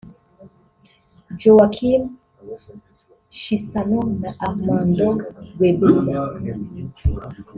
Joachim Chissano na Armando Guebuza